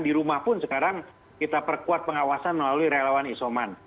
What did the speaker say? di rumah pun sekarang kita perkuat pengawasan melalui relawan isoman